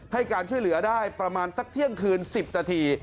ให้การช่วยเหลือได้ประมาณสักเที่ยงคืน๑๐นาที